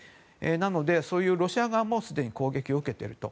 なので、ロシア側もすでに攻撃を受けていると。